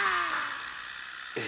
え？